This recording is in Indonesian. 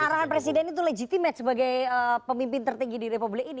arahan presiden itu legitimate sebagai pemimpin tertinggi di republik ini